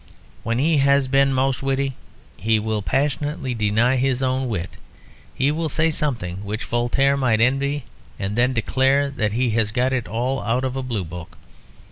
When he has been most witty he will passionately deny his own wit; he will say something which Voltaire might envy and then declare that he has got it all out of a Blue book.